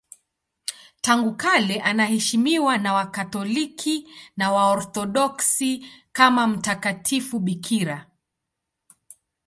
Tangu kale anaheshimiwa na Wakatoliki na Waorthodoksi kama mtakatifu bikira.